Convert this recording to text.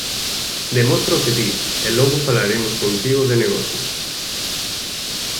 Demostra o que dis, e logo falaremos contigo de negocios.